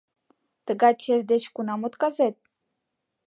Тыгай чес деч кунам отказет?